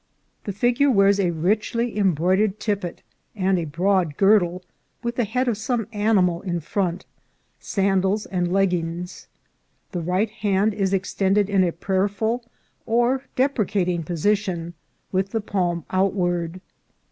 The figure wears a richly embroidered tippet, and a broad girdle, with the head of some animal in front, sandals, and leggins : the right hand is extended in a prayerful or deprecating position, with the palm outward.